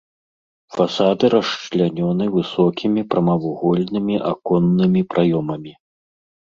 Фасады расчлянёны высокімі прамавугольнымі аконнымі праёмамі.